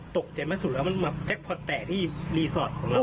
ตกใจมาสุดแล้วมันแปลกพอดแต่ที่รีสอร์ทของเรา